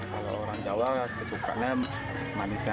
kalau orang jawa kesukanya manisnya